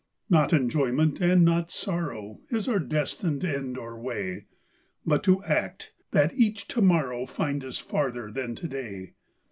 Not enjoyment, and not sorrow, Is our destined end or way; But to act, that each to morrow Find us farther than to day.